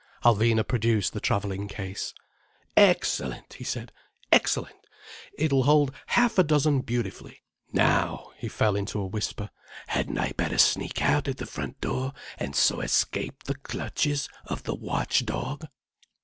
Alvina produced the travelling case. "Excellent!" he said. "Excellent! It will hold half a dozen beautifully. Now—" he fell into a whisper—"hadn't I better sneak out at the front door, and so escape the clutches of the watch dog?"